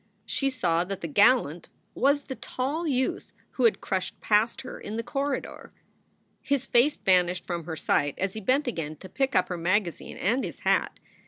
She saw that the gallant was the tall youth who had crushed past her in the corridor. His face vanished from her sight as he bent again to pick up her magazine and his hat.